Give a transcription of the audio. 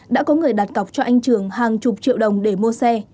đã có người đặt cọc cho anh trường hàng chục triệu đồng để mua xe